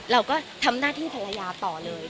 เราก็ทำหน้าที่ภายะเลย